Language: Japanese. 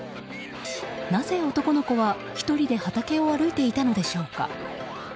なぜ男の子は、１人で畑を歩いていたのでしょうか。